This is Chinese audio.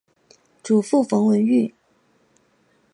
祖父冯文玉。